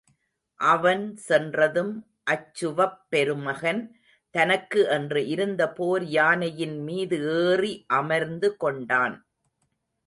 அவன் சென்றதும் அச்சுவப் பெருமகன் தனக்கு என்று இருந்த போர் யானையின் மீது ஏறி அமர்ந்து கொண்டான்.